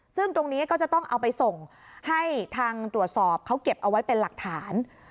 ซึ่งตรงนี้ก็จะต้องเอาไปส่งให้ทางตรวจสอบเขาเก็บเอาไว้เป็นหลักฐาน